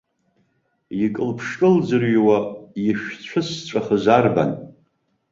Икылԥшкылӡырҩуа, ишәцәысҵәахыз арбан?